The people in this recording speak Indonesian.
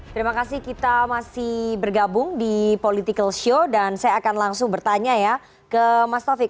terima kasih kita masih bergabung di political show dan saya akan langsung bertanya ya ke mas taufik